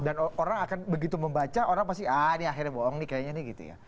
dan orang akan begitu membaca orang pasti ah ini akhirnya bohong nih kayaknya